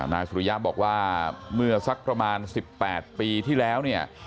นายสุริยะบอกว่าเมื่อสักประมาณ๑๘ปีที่แล้วเนี่ย